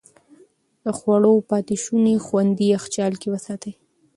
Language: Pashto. د خوړو پاتې شوني خوندي يخچال کې وساتئ.